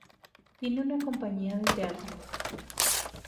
Tiene una compañía de teatro.